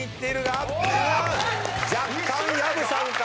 若干薮さんか？